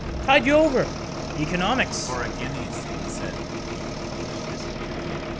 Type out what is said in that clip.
Tide you over. Economics. —For a guinea, Stephen said, you can publish this interview.